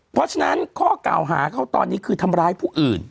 เพราะฉะนั้นข้อกล่าวหาเขาตอนนี้คือทำร้ายผู้อื่น